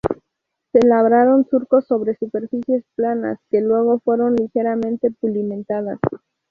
Se labraron surcos sobre superficies planas que luego fueron ligeramente pulimentadas.